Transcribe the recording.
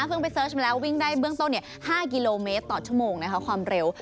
ไปเสิร์ชมาแล้ววิ่งได้เบื้องต้น๕กิโลเมตรต่อชั่วโมงนะคะความเร็ว